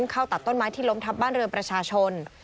เข้าตัดต้นไม้ที่ล้มทับบ้านเรือนประชาชน